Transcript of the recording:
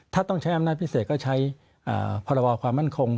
ถ้าต้องใช้อำนาจพิเศษก็ใช้พรบความมั่นคง